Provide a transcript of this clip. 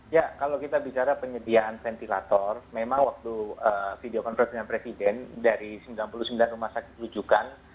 ya kalau kita bicara penyediaan ventilator memang waktu video conference dengan presiden dari sembilan puluh sembilan rumah sakit rujukan